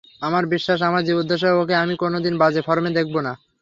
আমার বিশ্বাস, আমার জীবদ্দশায় ওকে আমি কোনো দিন বাজে ফর্মে দেখব না।